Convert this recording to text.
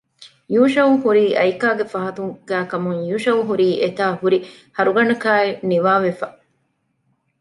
ޔޫޝައު ހުރީ އައިކާގެ ފަހަތުގައިކަމުން ޔޫޝައު ހުރީ އެތާ ހުރި ހަރުގަނޑަކާއި ނިވާވެފަ